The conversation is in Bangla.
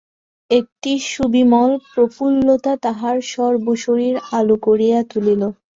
একটি সুবিমল প্রফুল্লতা তাহার সর্বশরীর আলো করিয়া তুলিল।